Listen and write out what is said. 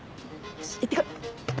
よしいってこい。